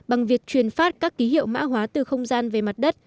bằng việc truyền phát các ký hiệu mã hóa từ không gian về mặt đất